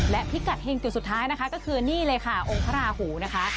และพิกัดหิ่งจุดสุดท้ายก็คือนี่เลยค่ะองค์ภราหูนะคะ